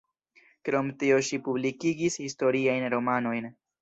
Krom tio ŝi publikigis historiajn romanojn.